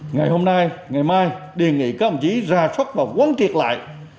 ngày hôm nay ngày mai đề nghị các ông chí ra sót và quấn triệt lại